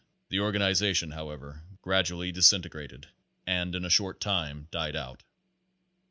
The organization, however, gradually disintegrated and in a short time died out.